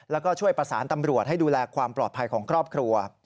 แล้วก็ช่วยประสานตำรวจให้ดูแลความปลอดภัยของครอบครัว